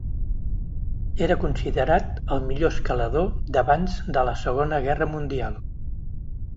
Era considerat el millor escalador d'abans de la Segona Guerra Mundial.